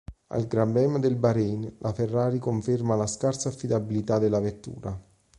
Al Gran Premio del Bahrein, la Ferrari conferma la scarsa affidabilità della vettura.